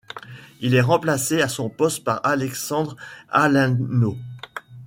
Il est remplacé à son poste par Alexandre Alhinho.